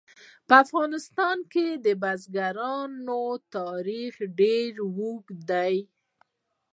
په افغانستان کې د بزګانو تاریخ ډېر اوږد دی.